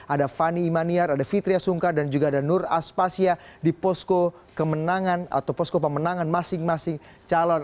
ada fani imaniar ada fitriah sungkar dan juga ada nur aspasya di posko kemenangan atau posko pemenangan masing masing calon